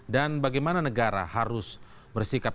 dan bagaimana negara harus bersikap